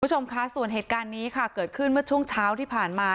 คุณผู้ชมค่ะส่วนเหตุการณ์นี้ค่ะเกิดขึ้นเมื่อช่วงเช้าที่ผ่านมา